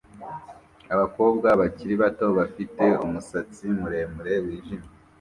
Abakobwa bakiri bato bafite umusatsi muremure wijimye